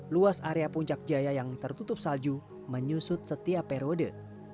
luas area puncak jaya yang tertutup salju menyusut setiap periode